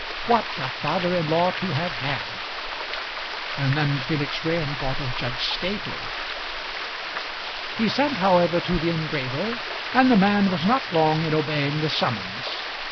What a father in law to have had! And then Felix Graham thought of Judge Staveley. He sent, however, to the engraver, and the man was not long in obeying the summons.